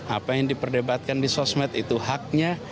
apa yang diperdebatkan di sosmed itu haknya